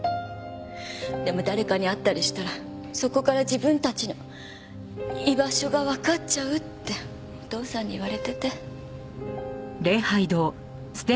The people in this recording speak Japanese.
でも誰かに会ったりしたらそこから自分たちの居場所がわかっちゃうってお父さんに言われてて。